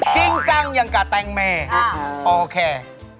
จริงจังอย่างกะแต้งแม่โอเค